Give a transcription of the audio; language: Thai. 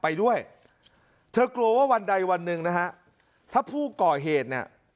ไปด้วยเธอกลัวว่าวันใดวันหนึ่งนะฮะถ้าผู้ก่อเหตุเนี่ย